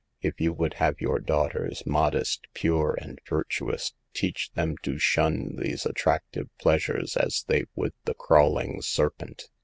If you would have your daughters modest, pure and virtuous, teach them to shun these attractive pleasures as they would the crawling serpent.